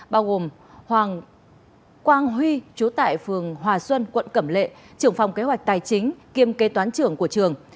bao gồm quang huy chú tại phường hòa xuân quận cẩm lệ trưởng phòng kế hoạch tài chính kiêm kế toán trưởng của trường